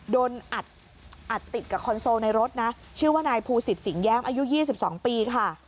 โดนอัดอัดติดกับคอนโซลในรถนะชื่อว่านายภูสิตสิงแย้มอายุยี่สิบสองปีค่ะ